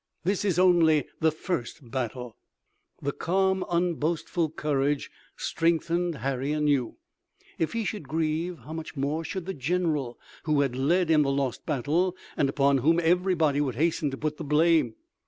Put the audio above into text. "This is only the first battle." The calm, unboastful courage strengthened Harry anew. If he should grieve how much more should the general who had led in the lost battle, and upon whom everybody would hasten to put the blame!